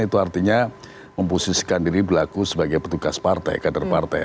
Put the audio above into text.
itu artinya memposisikan diri berlaku sebagai petugas partai kader partai